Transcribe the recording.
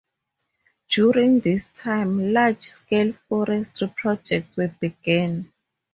During this time, large-scale forestry projects were begun.